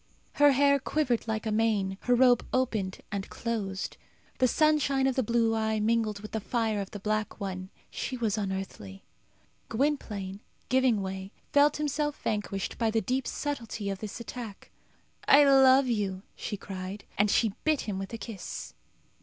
Her hair quivered like a mane; her robe opened and closed. The sunshine of the blue eye mingled with the fire of the black one. She was unearthly. Gwynplaine, giving way, felt himself vanquished by the deep subtilty of this attack. "I love you!" she cried. And she bit him with a kiss.